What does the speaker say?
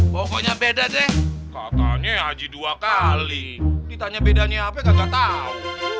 pokoknya beda deh katanya haji dua kali ditanya bedanya apa kagak tahu